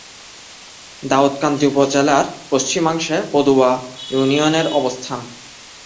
দাউদকান্দি উপজেলার পশ্চিমাংশে পদুয়া ইউনিয়নের অবস্থান।